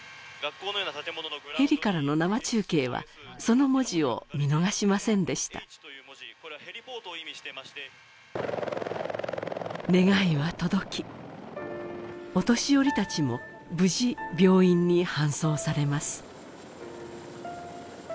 ヘリからの生中継はその文字を見逃しませんでした願いは届きお年寄り達も無事病院に搬送されます